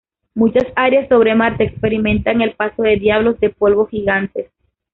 Muchas áreas sobre Marte experimentan el paso de diablos de polvo gigantes.